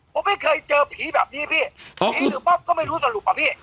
ผมไม่เคยเจอผีแบบนี้พี่ผีหรือป๊อปก็ไม่รู้สรุปอ่ะพี่